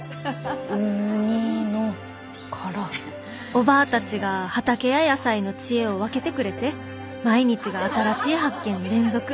「おばぁたちが畑や野菜の知恵を分けてくれて毎日が新しい発見の連続。